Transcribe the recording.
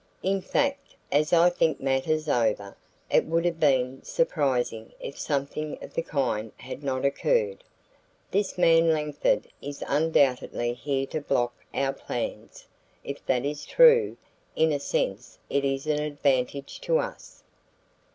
In fact, as I think matters over, it would have been surprising if something of the kind had not occurred. This man Langford is undoubtedly here to block our plans. If that is true, in a sense it is an advantage to us."